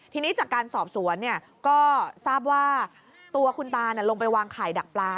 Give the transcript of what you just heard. ทีนี้จากการสอบสวนก็ทราบว่าตัวคุณตาลงไปวางไข่ดักปลา